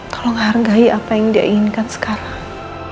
tolong hargai apa yang dia inginkan sekarang